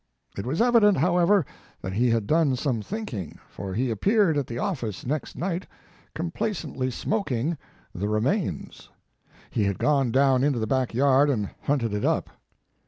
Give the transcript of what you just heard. It was evident, however, that he had done some thinking, for he appeared at the office next night complacently smoking The Remains/ He had gone down into the back yard and hunted it up."